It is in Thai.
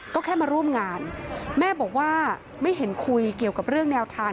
ก็แค่มาร่วมงานแม่บอกว่าไม่เห็นคุยเกี่ยวกับเรื่องแนวทาง